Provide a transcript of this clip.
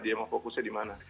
dia mau fokusnya di mana